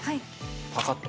パカッと。